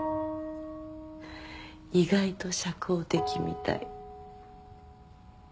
意外と社交的みたい。